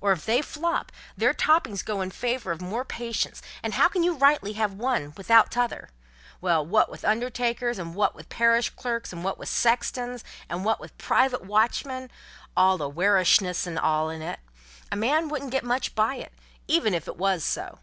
Or, if they flop, their floppings goes in favour of more patients, and how can you rightly have one without t'other? Then, wot with undertakers, and wot with parish clerks, and wot with sextons, and wot with private watchmen (all awaricious and all in it), a man wouldn't get much by it, even if it wos so.